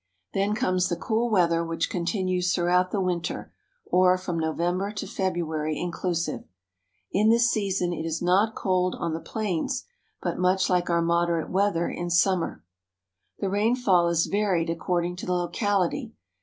Then comes the cool weather which continues throughout the winter, or from November to February, inclusive. In this season it is not cold on the plains, but much Hke our moderate weather in summer. The rainfall is varied according to the locality.